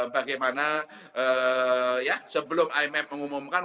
bagaimana sebelum imf mengumumkan